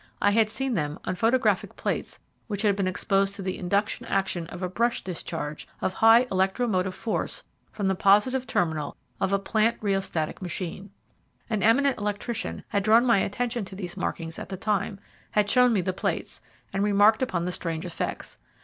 I had seen them on photographic plates which had been exposed to the induction action of a brush discharge of high electro motive force from the positive terminal of a Plante Rheostatic machine. An eminent electrician had drawn my attention to these markings at the time, had shown me the plates, and remarked upon the strange effects.